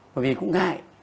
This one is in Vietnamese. bởi vì cũng ngại